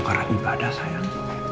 karena ibadah sayang